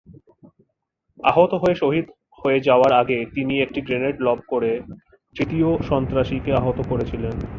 আহত হয়ে শহীদ হয়ে যাওয়ার আগে তিনি একটি গ্রেনেড লব করে তৃতীয় সন্ত্রাসীকে আহত করেছিলেন।